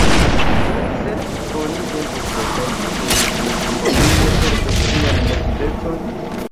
Ĉu, se oni devos defendi sin, oni ne perdos sian motivecon?